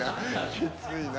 きついな。